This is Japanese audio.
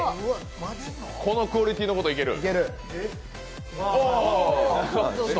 このクオリティーのこといける？